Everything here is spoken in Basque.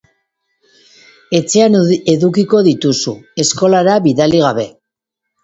Etxean edukiko dituzu, eskolara bidali gabe.